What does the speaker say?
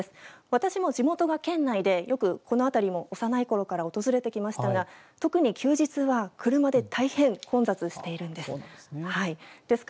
私も地元が県内でよくこの辺りを幼いころから訪れてきましたが特に休日は車で大変、混雑しているんです。